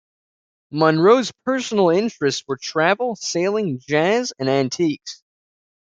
Munrow's personal interests were travel, sailing, jazz and antiques.